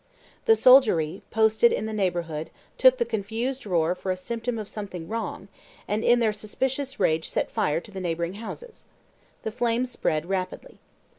The soldiery, posted in the neighborhood, took the confused roar for a symptom of something wrong, and in their suspicious rage set fire to the neighboring houses. The flames spread rapidly.